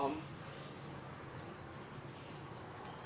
ถุงเท้ากางเกงไหนพร้อม